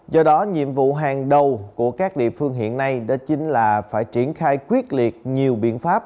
do đó nhiệm vụ hàng đầu của các địa phương hiện nay đó chính là phải triển khai quyết liệt nhiều biện pháp